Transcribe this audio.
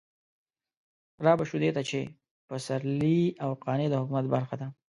رابه شو دې ته چې پسرلي او قانع د حکومت برخه ده.